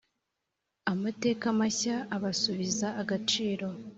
amateka mashya abasubiza agaciro